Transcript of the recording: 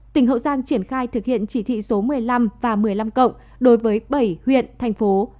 tỉnh hậu giang triển khai thực hiện chỉ thị số một mươi năm và một mươi năm cộng đối với bảy huyện thành phố